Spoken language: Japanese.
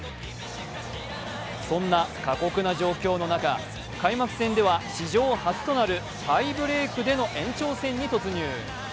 そんな過酷な状況の中、開幕戦では史上初となるタイブレークでの延長戦に突入。